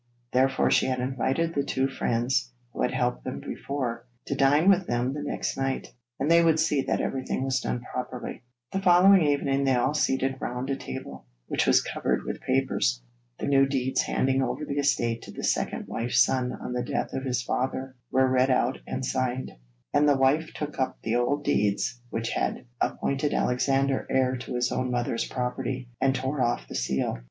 Therefore she had invited the two friends who had helped them before, to dine with them the next night, and they would see that everything was done properly. The following evening they were all seated round a table, which was covered with papers. The new deeds handing over the estate to the second wife's son on the death of his father were read out and signed, and the wife took up the old deeds which had appointed Alexander heir to his own mother's property, and tore off the seal.